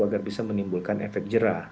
agar bisa menimbulkan efek jerah